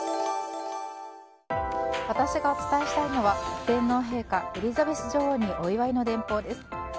私がお伝えしたいのは天皇陛下、エリザベス女王にお祝いの電報です。